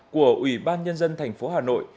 của ủy ban nhân dân thành phố hà nội